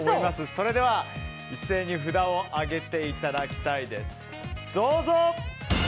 それでは一斉に札を上げていただきたいです。